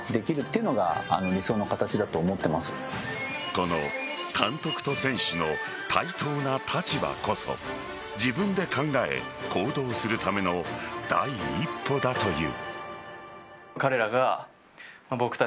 この監督と選手の対等な立場こそ自分で考え、行動するための第一歩だという。